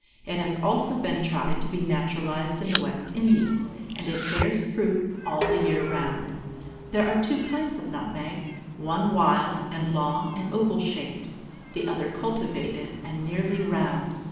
It has also been tried to be naturalized in the West Indies, and it bears fruit all the year round. There are two kinds of nutmeg, one wild, and long and oval shaped, the other cultivated, and nearly round.